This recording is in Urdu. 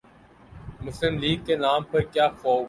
مسلم لیگ کے نام پر کیا خوب